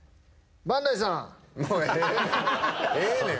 ええねん。